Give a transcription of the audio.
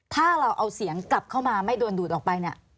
ถ้าเราเอาเสียงกลับเข้ามาไม่โดนดูดออกไปเนี่ย